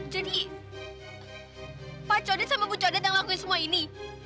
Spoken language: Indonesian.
jadi pak codet sama bu codet yang lakuin semua ini